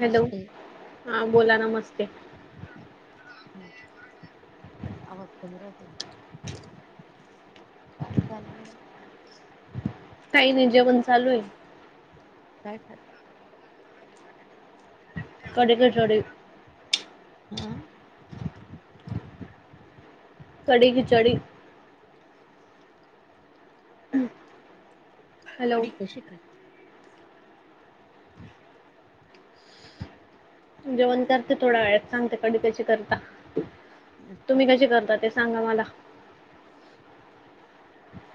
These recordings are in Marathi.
हॅलो, हा बोला नमस्ते! हम् आवाज कमी राहूदे. काय चाललंय? काही नाही जेवण चालू आहे. काय खात कडी कचोडी. आ. कडी खिचडी. हॅलो कडी कशी खात जेवण करते थोड्या वेळ्यात सांगते कडी कशी करता, असं तुम्ही कशी करता ते सांगा मला.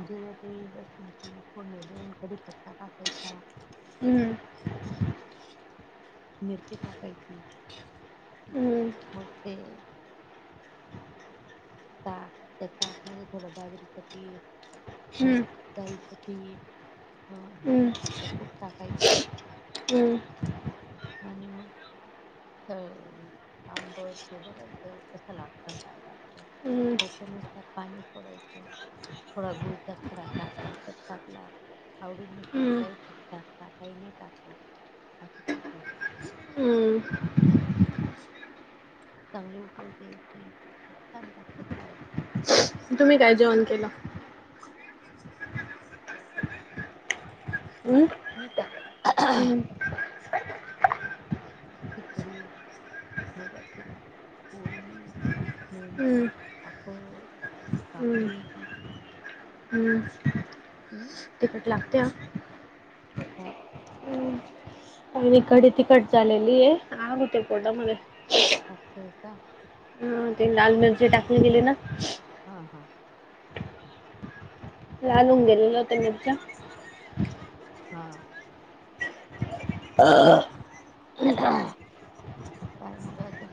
जिर ते लसून ती फोडनी देऊन कडीपत्ता टाकायचा. हम्. मिरची टाकायची, हम्म मग ते ताक त्या ताकमध्ये थोडं बाजरीच पीठ हा हम्म डाळीचं पीठ हा हम्म शेंगदाण्याचा कुठ टाकायचं. हं. आणि मग आंबट ते बघायचं. हम्म त्याच्यानुसार पाणी थोड येतं थोड गुळचा खडा टाकला तर टाकला आवडीनुसार हम्म काही जन टाकतात काही नाही टाकत असत हम चांगली उकळून द्यायची खुप छान लागते काय तुम्ही काय जॉईन केला हम् मी का खिचडी मुगाची पोळी, हम्म लोणच, पापड काकडी हम अम तिकट लागत्या हा हम्म ही कडी तिखट झालेलीये आ होते पोटामध्ये [inaudible] का हा ते लाल मिरची टाकून गेली ना हा हा लालून गेलेल ते मिरच्या हा [unintelligible] काय मगाचं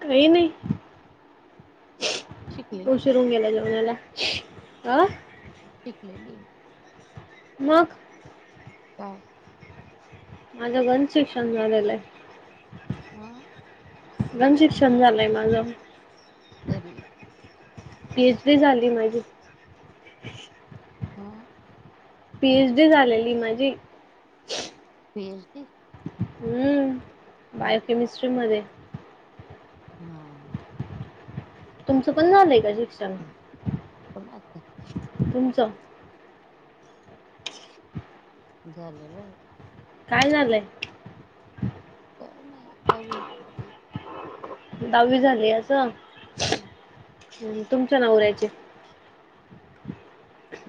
काही नाही शिकलेली का उशीर होऊन गेला जेवणाला आ टिकलेली मग काय माझं [inaudible] शिक्षण झालेलं आहे आ [inaudible] शिक्षण झालंय माझं तरी पी. एच. डी झाली माझी आ पी. एच. डी झालेली माझी पी. एच. डी हम्म बापरे बायोकेमिस्ट्री मध्ये हा तुमचं पण झालंय का शिक्षण कुनाच तुमचं झालेलं आहे काय झालंय काय नाही दहावी दहावी झाली असं‌. हा‌ हम्म तुमच्या नवऱ्याची.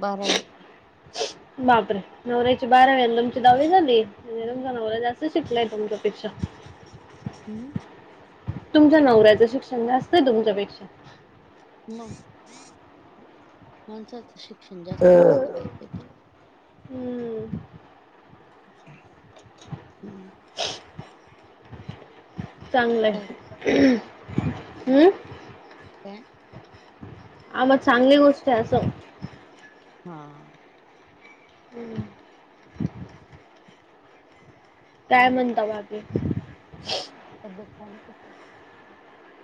बारावी. बापरे नवऱ्याची बारावी आणि तुमची दहावी झाली [unintelligible] हम्म नवरा जा शिकलंय तुमच्यापेक्षा. हम्म. तुमच्या नवऱ्याचं शिक्षण जास्त आहे तुमच्यापेक्षा. मग माणसाचं शिक्षण जास्तच असतं बाई पे हम्म हम्. चांगलं काय आहे हं, हम्म. काय? आ मग चांगली गोष्ट आहे असं. हा. हम्. काय मग?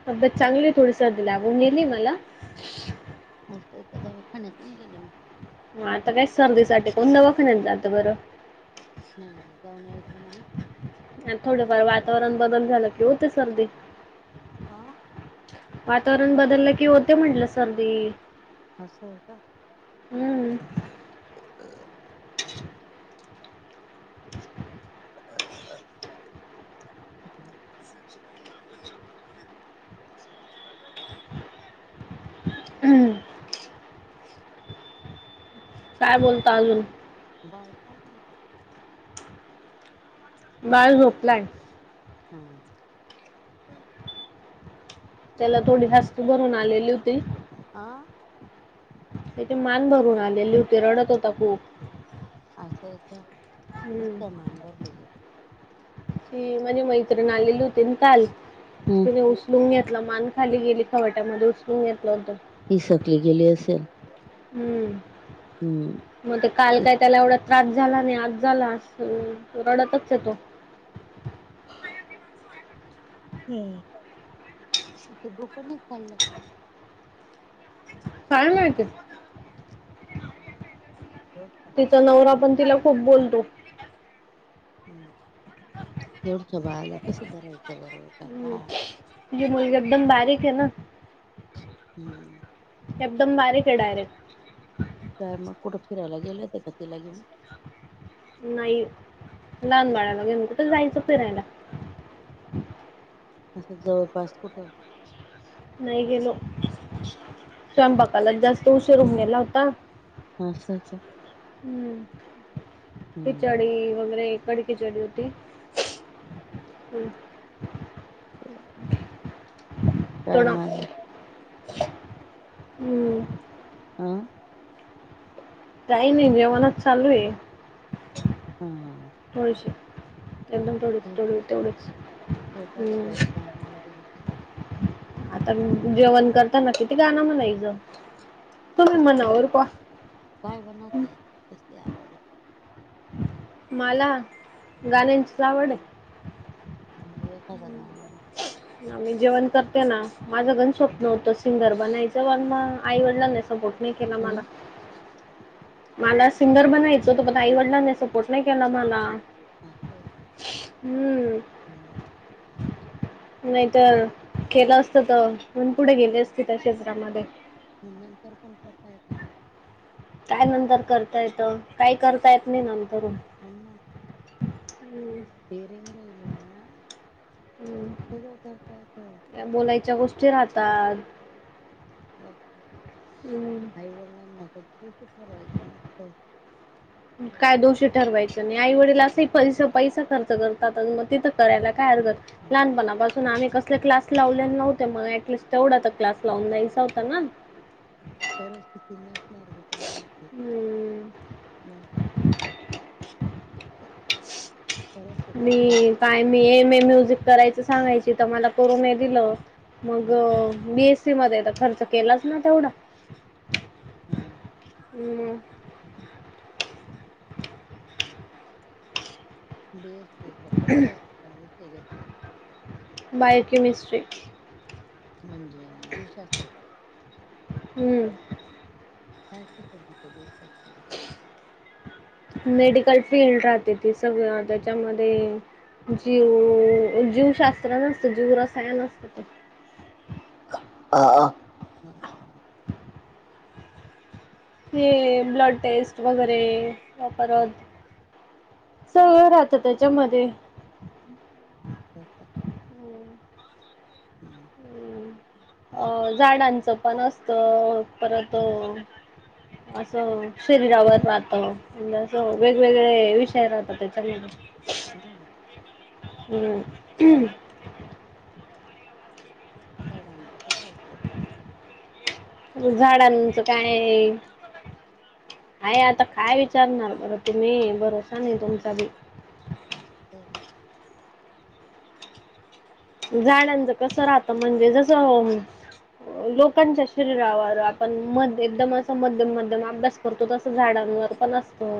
तब्येत चांगली थोडी सर्दी लागून गेली मला. अ [unintelligible] दवाखान्यात नाही गेली मग. ह आता काय सरदीसाठी कोण दवाखान्याला जात बरं. नाही ना जाऊन यायचं ना मग. थोडफार वातावरण बदल झालं कि हो ते सर्दी. आ. वातावरण बदललं कि होते म्हटलं सर्दी. अस हाय का? हम्म [inaudible] [unintelligible] हम्म. काय बोलता अजून. बाळ काय करितो. बाळ झोपलाय. हा. त्याला झोपलं थोडी काय आता? हास्ती भरून आलेली होती. आ? त्याची मान भरून आलेली होती रडत होता खूप. अस हाय का? कसं काय हम्म मान भरलेली ते. ती माझी मैत्रिण आलेली होती ना काल हम्म तीन उ उचलून घेतल मान खाली गेली खवट्यामध्ये उचलून घेतलं होतं. ती शेवटी गेली असल. हम्म. हम्. मग ते काल काय त्याला एवढा त्रास झाला नाही आज झाला [unintelligible] रडतच आहे तो. हम्, तिच डोक नाही चाललं का? काय माहिती. हम, ठेव फोन. तिचा नवरा पण तिला खूप बोलतो. हम्म एवढसं बाळाला कसं धरायचं बर काका. जी मुल एकदम बारीकय ना. [inaudible] हम्म. एकदम बारीकय डायरेक्. तर मग, कुठं फिरायला गेले होते का, तिला घेऊन? नाही. लहान बाळायला घेऊन, कुठं जायचं फिरायला? असं, जवळपास कुठं? नाही गेलो. स्वयंपाकालाच जास्त उशीर व्हायला होता. असं आहे का हम्म. तेच हम्म डी वगैरे कड कीचडी होती. [unintelligible] काय थोडा, माझ हम्म. अ. काही नाही जेवणच चालूय. हा [unintelligible] एकदम थोडं- थोडं तेवढंच. हं. गान वगैरे ते केलं का? आता जेवण करताना, किती, गानं म्हणायज? कसली आकड? काय बनवताय? कसली आवडये? माला? हं? गाण्यांचीच आवडय. [unintelligible] हम्म. गाणं मग न मी जेवण करते ना. माझं पण स्वप्न होतं, सिंगर बनायचं. पण म आई- वडीलानी, सपोर्ट नाही केला मला. हं मला सिंगर बनायचं होतं. पण, आई-वडिलांनी सपोर्ट नाही केला मला. असं आहे का हम. हम्म नाही त, केलं असत त [unintelligible] पुढे गेले असते, त्या क्षेत्रामध्ये. मग नंतर पण करता येतं, ना. काय नंतर करता येतं? काय करता येत नाही, नंतरून. अन् मग. हम्म. डेरिंग राहिली ना अम्म. सगळं करता येतं. त्या बोलायच्या, गोष्टी राहतात. बर, का? हम्म आई-वडिलांना कधी दोषी ठरवायचं नसतं. काय दोषी ठरवायचं नाही. आई- वडील असही, पैसं-पैसं खर्च करतात. मग तिथं करायला काय हरकतय. हं. लहानपणापासून आम्ही, कस क्लास लावलेले नव्हते. मग ऍटलिस्ट तेवढा त क्लास, लावून द्यायचा होता ना. परिस्थिती नसणार बिचाऱ्यांची. हम्म म. परिस्थिती प्रभू मी, काय मी एम ए म्युझिक करायच सांगायची तर, मला करून दिलं. मग बी एस सी मध्ये आता खर्च केलाच ना तेवढा. हा. मग. हं, हं. बी एस सीचा, कोणता? विषय घेतला. Bio - chemistry. म्हणजे जीवशास्त्र. हम्मं. कायं शिकवतांत ते जीवशास्त्रामध्ये? मेडिकल फील्ड राहते ती सगळं त्यांच्यामध्ये जीव जीवशास्त्र नसतं जीव रसायंन असतं ते हं आं हां हां हे ब्लड टेस्ट वगैरें मंग परंत सगळं राहतं त्यांच्यामध्ये अच्छा अच्छा हम्मं अं झाडांचं पणं असतं परंत असं शरीरावर राहतं. असं वेगवेगळे विषय राहतांत त्यांच्या मध्यें अजूंन हम्मं झाडांचं कसं असतं झाडांचं कायं आहेय आंता कायं विचारणांर बरं तुम्हीं भरोसा नाहीं तुमचा भी बोलं झाडांचं कसं राहतं म्हणजे जसं लोकांच्या शरीरावर आपणं मं एकदंम असं मध्यंम मध्यंम अभ्यास करतो तसं झाडांवर पणं असतो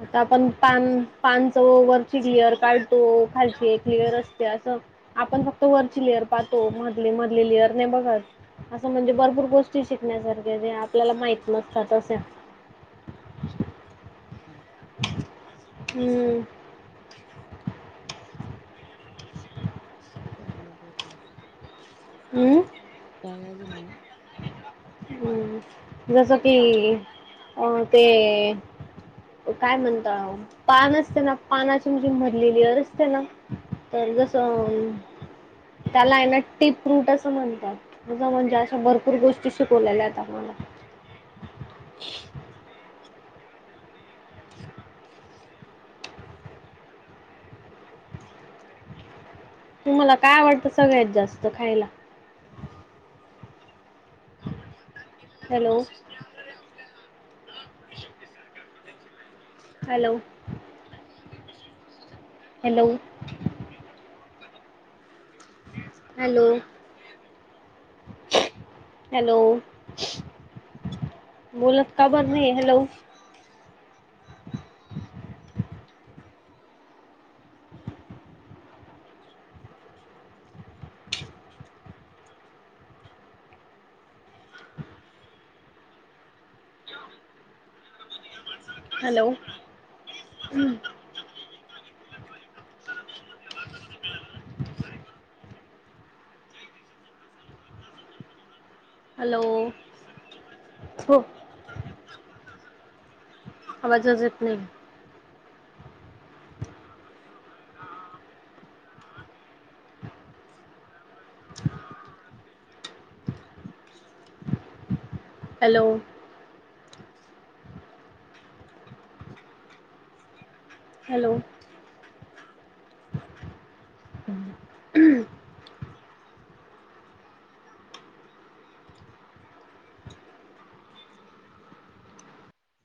आंता आपणं पानं पानचं वरची क्लिअर काढतो खालची क्लिअर असते असं आपणं फक्तं वरची लेयर पाहतो मधले मधले लेअर नाहीं बघतं असं म्हणजे भरंपूर गोष्टी शिकण्यांसारख्या जे आपल्याला माहित नसताते जश्या हां हम्मं कायं माहिती नाहीं हम्मं बायां जमंवा हम्मं जसं की अं ते कायं म्हणतां पानं असते नां पानांची म्हणजे मधली जी लेअर असते नां तरं जसं त्यांला आहे नां टीप रूंट असं म्हणतांत तझं म्हणजे अश्या भरंपूर गोष्टी ते शीकवल्यां जातात आपल्याला तुम्हांला कायं आवडतं सगळ्यांत जास्तं खांयला [unintelligible] hello [unintelligible] hello hello hello hello ह [unintelligible] बोलतं कां बरं नाहीं हॅलो हॅलो हंम [unintelligible] हॅलो हो आवांज येतं नाहीं [unintelligible] [unintelligible] हॅलो हॅलो हं [unintelligible] [unintelligible]